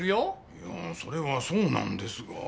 いやそれはそうなんですが。